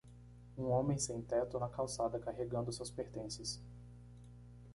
Um homem sem-teto na calçada carregando seus pertences.